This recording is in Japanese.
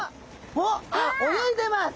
おっ泳いでます。